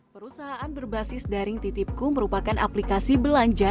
perusahaan berbasis daring titipku merupakan aplikasi belanja